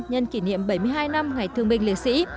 nhân kỷ niệm bảy mươi hai năm ngày thương binh liệt sĩ